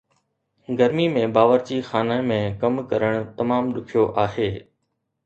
گرمي ۾ باورچی خانه ۾ ڪم ڪرڻ تمام ڏکيو آهي